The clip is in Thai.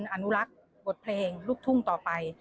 เราควรอนุลักษณ์บทเพลงลุกทุ่งต่อไป